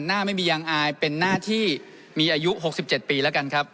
หน้าไม่มียังอายเป็นหน้าที่มีอายุ๖๗ปีแล้วกันครับ